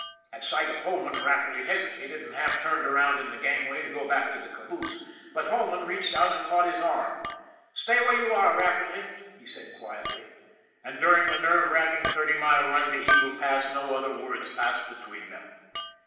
At sight of Holman, Rafferty hesitated and half turned around in the gangway to go back to the caboose; but Holman reached out and caught his arm. " Stay where you are, Rafferty," he said quietly. And during the nerve racking thirty mile run to Eagle Pass no other words passed between them.